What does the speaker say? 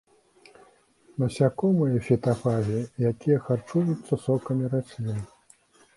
Насякомыя-фітафагі, якія харчуюцца сокамі раслін.